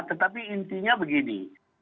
tetapi intinya begini